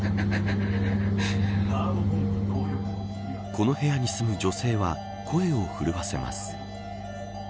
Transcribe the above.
この部屋に住む女性は声を震わせます。